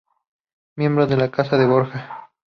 Miembro de la Casa de Borja.